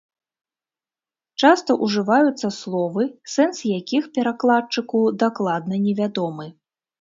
Часта ўжываюцца словы, сэнс якіх перакладчыку дакладна невядомы.